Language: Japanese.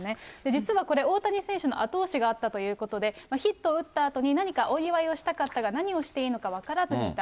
実はこれ、大谷選手の後押しがあったということで、ヒットを打ったあとに何かお祝いをしたかったが、何をしていいのか分からずにいた。